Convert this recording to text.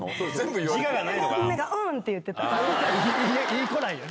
いい子なんや。